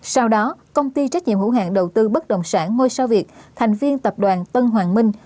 sau đó công ty trách nhiệm hữu hạn đầu tư bất đồng sản ngôi sao việt thành viên tập đoàn tân hoàng minh